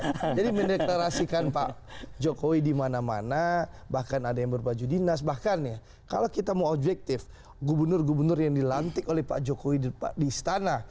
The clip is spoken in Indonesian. jadi mendeklarasikan pak jokowi dimana mana bahkan ada yang berbaju dinas bahkan ya kalau kita mau objektif gubernur gubernur yang dilantik oleh pak jokowi di istana